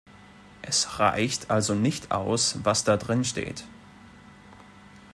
Es reicht also nicht aus, was da drin steht.